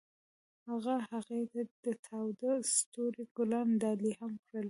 هغه هغې ته د تاوده ستوري ګلان ډالۍ هم کړل.